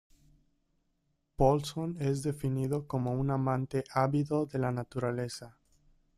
Paulson es definido como un amante ávido de la naturaleza.